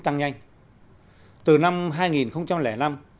tăng nhanh từ năm